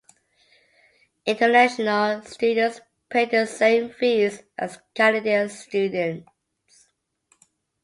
International students pay the same fees as Canadian students.